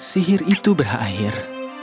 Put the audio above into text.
sihir itu berakhir